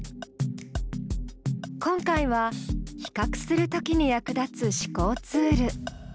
今回は「比較するとき」に役立つ思考ツール。